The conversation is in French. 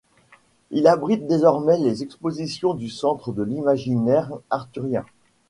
Il abrite désormais les expositions du Centre de l'Imaginaire Arthurien.